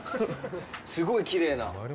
すごいきれいな。